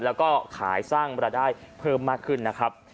แล้วก็ขายสร้างรายได้เพิ่มมากขึ้นนะครับ